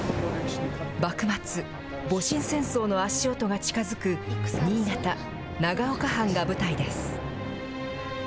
幕末、戊辰戦争の足音が近づく、新潟・長岡藩が舞台です。